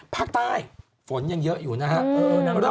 ภาคใต้ฝนยังเยอะอยู่นะฮะ